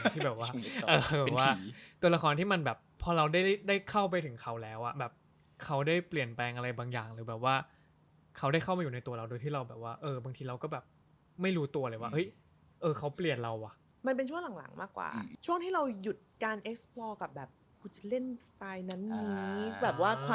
ที่แบบว่าตัวละครที่มันแบบพอเราได้เข้าไปถึงเขาแล้วอะแบบเขาได้เปลี่ยนแปลงอะไรบางอย่างหรือแบบว่าเขาได้เข้ามาอยู่ในตัวเราโดยที่เราแบบว่าเออบางทีเราก็แบบไม่รู้ตัวเลยว่าเฮ้ยเออเขาเปลี่ยนเราอะ